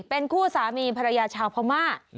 เป็นคู่สามีภรรยาชาวพม่า